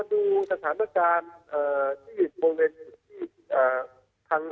ในสถานการณ์ที่ที่โบราณโค้ง